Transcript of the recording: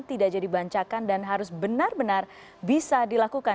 tidak jadi bancakan dan harus benar benar bisa dilakukan